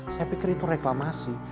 saya pikir itu reklamasi